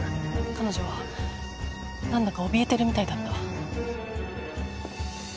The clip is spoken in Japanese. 彼女何だかおびえてるみたいだった。